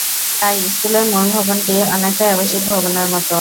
তাই স্কুলের মূল ভবনটি অনেকটাই আবাসিক ভবনের মতো।